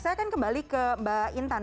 saya akan kembali ke mbak intan